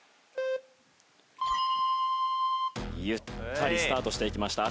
ゆったりスタートしていきました。